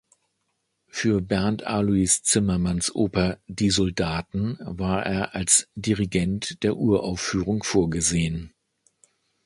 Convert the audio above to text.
Für Bernd Alois Zimmermanns Oper "Die Soldaten" war er als Dirigent der Uraufführung vorgesehen.